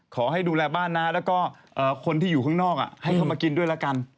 ขอให้ดูแลบ้านนะแล้วก็คนที่อยู่ข้างนอกให้เข้ามากินด้วยละกัน